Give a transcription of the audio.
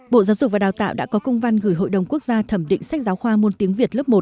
bộ giáo dục và đào tạo đã có công văn gửi hội đồng quốc gia thẩm định sách giáo khoa môn tiếng việt lớp một